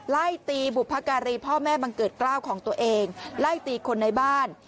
ไล่ตีบุพการีพ่อแม่บังเกิดกล้าวของตัวเองไล่ตีคนในบ้าน